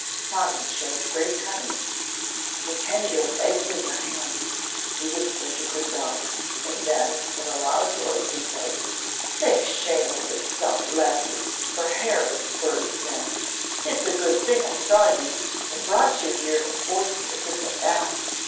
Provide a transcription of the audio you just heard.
Tommy showed great cunning. "Pretend you have eggs in your hand," he whispered to Grizel, and then, in a loud voice, he said: "Think shame of yoursel', lassie, for harrying birds' nests. It's a good thing I saw you, and brought you here to force you to put them back.